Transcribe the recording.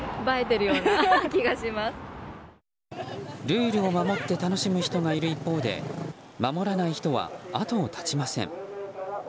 ルールを守って楽しむ人がいる一方で守らない人は、後を絶ちません。